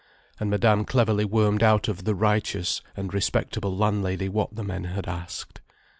And Madame cleverly wormed out of the righteous and respectable landlady what the men had asked.